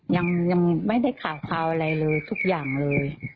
ยังไม่ได้ข่าวคราวอะไรเลยทุกอย่างเลย